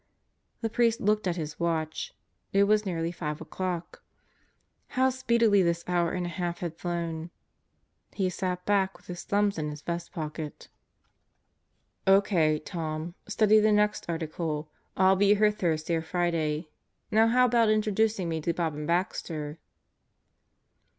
The priest looked at his watch. It was nearing five o'clock. How speedily this hour and a half had flown! He sat back with his thumbs in his vest pockets. 40 God Goes to Murderer's Row "O.K., Tom. Study the next Article. I'll be here Thursday or Friday. Now how about introducing me to Bob and Baxter?"